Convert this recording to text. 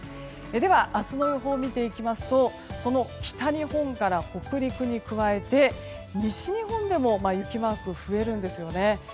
では、明日の予報を見ていきますとその北日本から北陸に加えて西日本でも雪マークが増えるんですよね。